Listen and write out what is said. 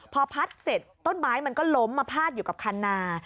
พอพัดเสร็จต้นไม้มันก็ล้มมาพาดอยู่กับคันนา